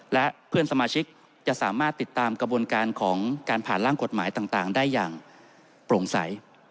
และเพื่อนสมาชิกจะสามารถติดตามกระบวนการของการผ่านร่างกฎหมายต่างได้อย่างโปร่งใส